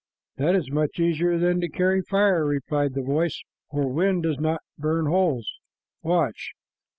"That is much easier than to carry fire," replied the voice, "for wind does not burn holes. Watch."